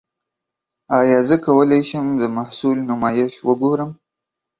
ایا زه کولی شم د محصول نمایش وګورم؟